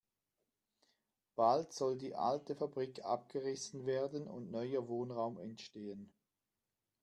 Bald soll die alte Fabrik abgerissen werden und neuer Wohnraum entstehen.